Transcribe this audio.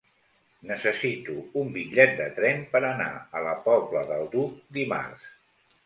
Necessito un bitllet de tren per anar a la Pobla del Duc dimarts.